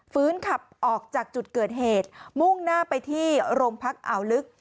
ขับออกจากจุดเกิดเหตุมุ่งหน้าไปที่โรงพักอ่าวลึก